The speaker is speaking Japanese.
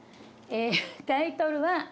タイトルは。